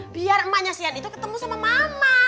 biar emaknya si ian itu ketemu sama mama